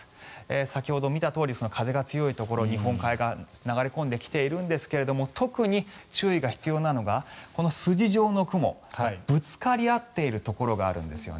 先ほど見たとおり風が強いところ日本海側に流れ込んできているんですが特に注意が必要なのがこの筋状の雲ぶつかり合っているところがあるんですよね。